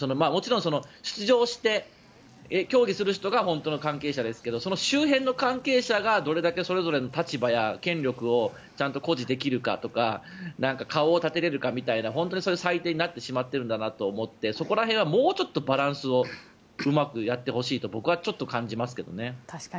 もちろん出場して競技する人が本当の関係者ですがその周辺の関係者がどれだけそれぞれの立場や権力をちゃんと誇示できるかとか顔を立てられるかみたいなそういう祭典になってしまっているんだなと思ってそこら辺はもうちょっとバランスをうまくやってほしいと僕はちょっと感じますけどね。